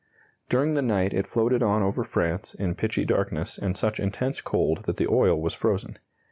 During the night it floated on over France in pitchy darkness and such intense cold that the oil was frozen.